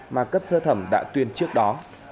mà cấp sơ thẩm đã tuyên trước đó